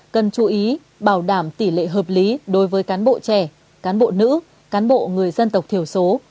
cần chú ý bảo đảm tỷ lệ hợp lý đối với cán bộ trẻ cán bộ nữ cán bộ người dân tộc thiểu số